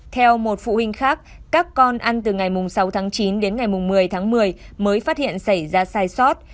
theo một phụ huynh khác các con ăn từ ngày sáu tháng chín đến ngày một mươi tháng một mươi mới phát hiện xảy ra sai sót